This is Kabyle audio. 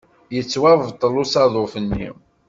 Yettwabṭel usaḍuf-nni.